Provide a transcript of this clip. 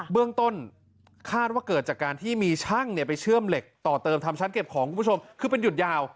เบื้องต้นคาดว่าเกิดจากการที่มีช่างเนี่ยไปเชื่อมเหล็กต่อเติมทำชั้นเก็บของคุณผู้ชมคือเป็นหยุดยาว